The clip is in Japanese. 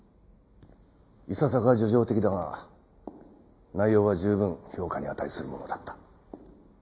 いささか叙情的だが内容は十分評価に値するものだった。